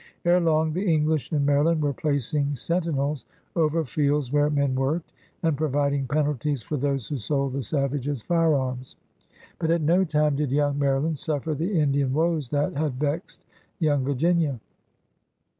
Ere long the English in Mary land were placing "centinells over fields where men worked, and providing penalties for those who sold the savages fij'earms. But at no time did yoimg Maryland suffer the Indian woes that had vexed young Virginia.